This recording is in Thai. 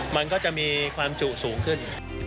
มันก็จะมีความจุสูงขึ้น